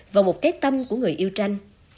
và một cái tâm của người yêu tranh